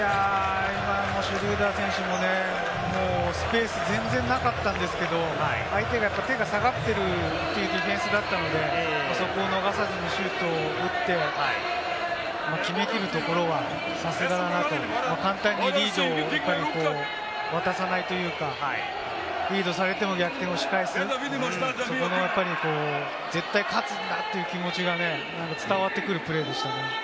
今のシュルーダー選手もね、スペース、全然なかったんですけれども、相手が下がっているというディフェンスだったので、そこを逃さずシュートを打って決めきるところはさすがだなと、簡単にリードをね、渡さないというか、リードされても逆転をし返す、そこの絶対勝つんだという気持ちがね、伝わってくるプレーでしたね。